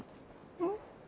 うん？